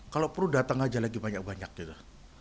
kalau perlu datang aja lagi banyak banyak gitu